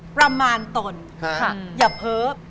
ประมาณตนอย่าเพ้อ